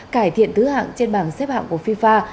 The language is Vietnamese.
cải thiện thứ hạng trên bảng xếp hạng của fifa